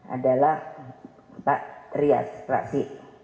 adalah pak rias rasyid